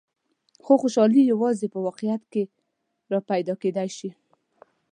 خو خوشحالي یوازې په واقعیت کې را پیدا کېدای شي.